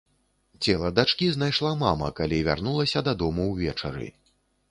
Цела дачкі знайшла мама, калі вярнулася дадому ўвечары.